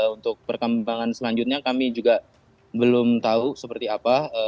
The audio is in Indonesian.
untuk perkembangan selanjutnya kami juga belum tahu seperti apa